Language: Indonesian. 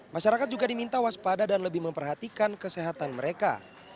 masyarakat juga diminta waspada dan lebih memperhatikan kesehatan mereka